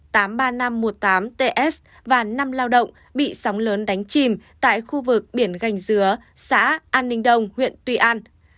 năm ts và năm lao động bị sóng lớn đánh chìm tại khu vực biển gành dứa xã an ninh đông huyện tuy an